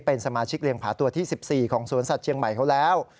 เป็นสมาชิกเรียงผาตัวที่๑๔ของสวนสัตว์เชียงใหม่เขาแล้ว